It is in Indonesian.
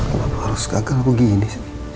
kalau harus gagal aku gini